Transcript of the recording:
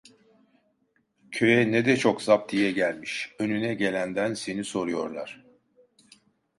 Köye ne de çok zaptiye gelmiş, önüne gelenden seni soruyorlar.